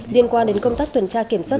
liên quan đến công tác tuần tra kiểm soát